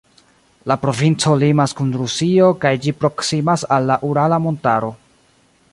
La provinco limas kun Rusio kaj ĝi proksimas al la Urala Montaro.